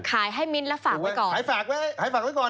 ขายให้มิ้นแล้วฝากไว้ก่อน